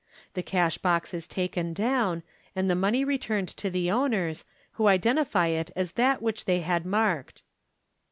The cash box is taken down, and the money returned to the owners, who identify it as that which they had marked.